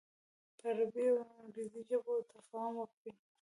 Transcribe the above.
په عربي او انګریزي ژبو تفاهم وکړي.